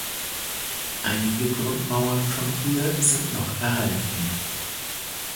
Einige Grundmauern von ihr sind noch erhalten.